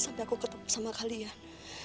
sampai aku sama kalian